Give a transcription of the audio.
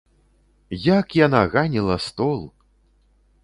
Як яна ганіла стол!